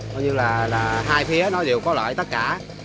coi như là hai phía nó đều có lợi tất cả